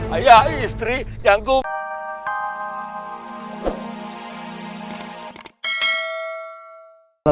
ayah istri yang kum